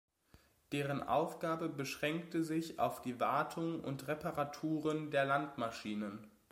Deren Aufgabe beschränkte sich auf die Wartung und Reparaturen der Landmaschinen.